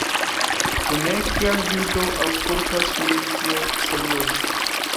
Ĉu ne? Kial Vi do aŭskultas min tiel serioze!